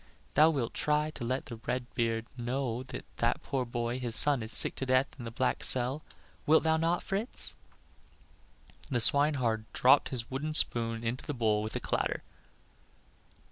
Thou wilt try to let the red beard know that that poor boy, his son, is sick to death in the black cell; wilt thou not, Fritz?" The swineherd dropped his wooden spoon into the bowl with a clatter.